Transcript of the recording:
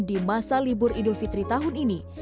di masa libur idul fitri tahun ini